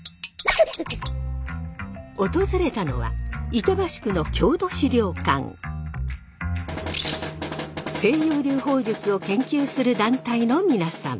訪れたのは西洋流砲術を研究する団体の皆さん。